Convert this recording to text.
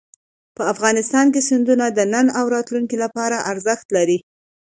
افغانستان کې سیندونه د نن او راتلونکي لپاره ارزښت لري.